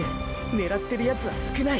狙ってるヤツは少ない。